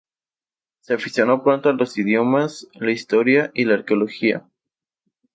Se aficionó pronto a los idiomas, la historia y la arqueología.